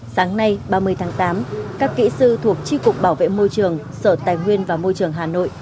sáng nay ba mươi tháng tám các kỹ sư thuộc tri cục bảo vệ môi trường sở tài nguyên và môi trường hà nội